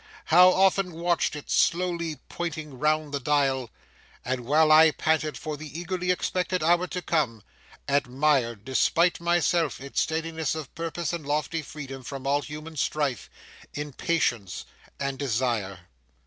How often watched it slowly pointing round the dial, and, while I panted for the eagerly expected hour to come, admired, despite myself, its steadiness of purpose and lofty freedom from all human strife, impatience, and desire!